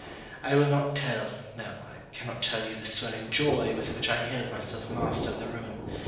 I will not tell no, I cannot tell you the swelling joy with which I hailed myself master of the ruin.